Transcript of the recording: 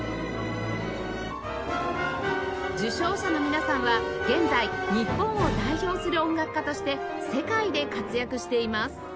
受賞者の皆さんは現在日本を代表する音楽家として世界で活躍しています